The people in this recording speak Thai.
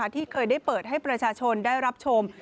ที่เคยได้เปิดให้ประชาชนได้รับชม